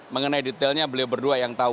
mengenai detailnya beliau berdua yang tahu